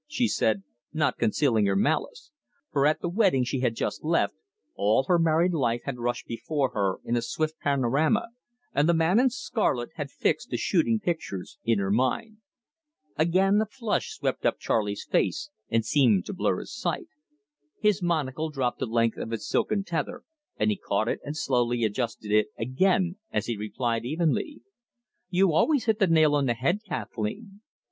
'" she said, not concealing her malice, for at the wedding she had just left all her married life had rushed before her in a swift panorama, and the man in scarlet had fixed the shooting pictures in her mind. Again a flush swept up Charley's face and seemed to blur his sight. His monocle dropped the length of its silken tether, and he caught it and slowly adjusted it again as he replied evenly: "You always hit the nail on the head, Kathleen."